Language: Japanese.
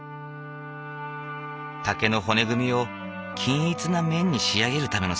竹の骨組みを均一な面に仕上げるための作業。